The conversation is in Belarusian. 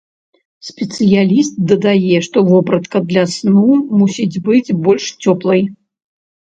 Спецыяліст дадае, што вопратка для сну мусіць быць больш цёплай.